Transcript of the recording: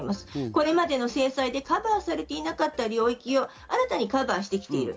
これまでの制裁でカバーされていなかった領域を新たにカバーしてきている。